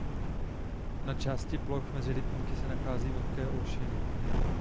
Na části ploch mezi rybníky se nachází vlhké olšiny.